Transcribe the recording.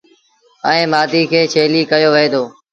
ائيٚݩ مآڌي کي ڇيليٚ ڪهيو وهي دو۔